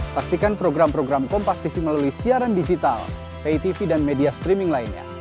saksikan program program kompastv melalui siaran digital pitv dan media streaming lainnya